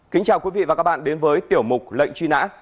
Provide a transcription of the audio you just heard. kính chào quý vị và các bạn đến với tiểu mục lệnh truy nã